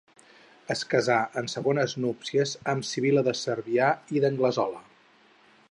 Es casà en segones núpcies amb Sibil·la de Cervià i d'Anglesola.